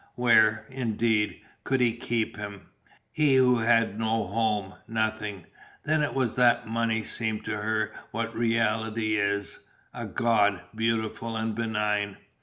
Where, indeed, could he keep him? He who had no home nothing. Then it was that Money seemed to her what it really is, a god, beautiful and benign.